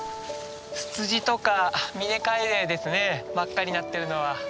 ツツジとかミネカエデですね真っ赤になってるのは。